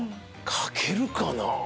書けるかなぁ？